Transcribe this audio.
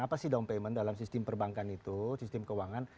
apa sih down payment dalam sistem perbankan itu sistem keuangan